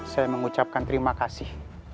saya mengucapkan terima kasih